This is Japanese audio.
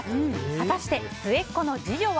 はたして末っ子の次女は？